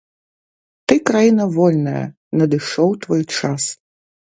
Ты краіна вольная, надышоў твой час.